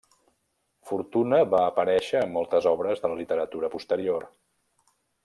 Fortuna va aparèixer en moltes obres de la literatura posterior.